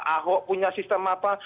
ahok punya sistem apa